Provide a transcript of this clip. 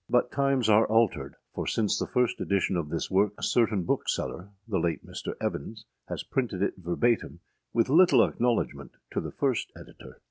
But times are altered, for since the first edition of this work, a certain bookseller [the late Mr. Evans] has printed it verbatim, with little acknowledgment to the first editor.